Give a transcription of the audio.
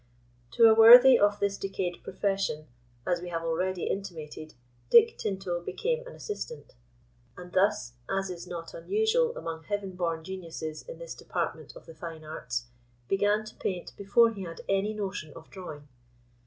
To a worthy of this decayed profession, as we have already intimated, Dick Tinto became an assistant; and thus, as is not unusual among heaven born geniuses in this department of the fine arts, began to paint before he had any notion of drawing.